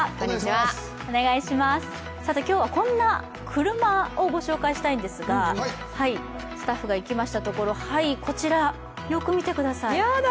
今日は、こんな車をご紹介したいんですが、スタッフが行きましたところよく見てください。